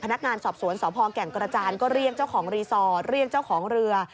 พนักงานสอบสวนสพแก่งกระจานก็เรียกเจ้าของรีสอร์ทเรียกเจ้าของเรือ